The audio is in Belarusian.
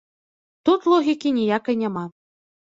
Тут логікі ніякай няма.